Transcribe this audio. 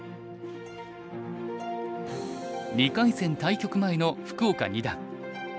２回戦対局前の福岡二段。